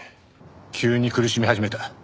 急に苦しみ始めた。